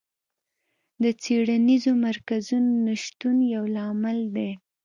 د څېړنیزو مرکزونو نشتون یو لامل دی.